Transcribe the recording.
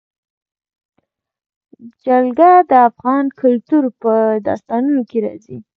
جلګه د افغان کلتور په داستانونو کې راځي.